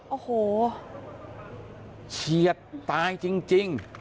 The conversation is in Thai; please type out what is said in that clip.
โอ้โหเฉียดตายจริง